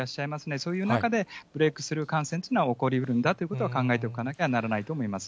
そういう中でブレークスルー感染というのは起こりうるんだということは考えておかなきゃならないと思います。